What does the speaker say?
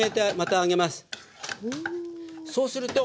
そうすると。